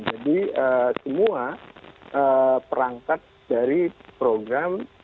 jadi semua perangkat dari program itu berjalan